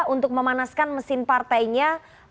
untuk memanaskan mesin partainya